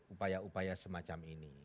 upaya upaya semacam ini